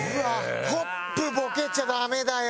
トップボケちゃダメだよ。